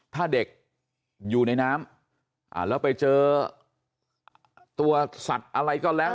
ถ้าเด็กอยู่ในน้ำแล้วไปเจอตัวสัตว์อะไรก็แล้ว